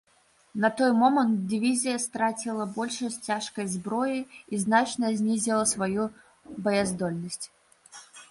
На той момант дывізія страціла большасць цяжкай зброі і значна знізіла сваю баяздольнасць.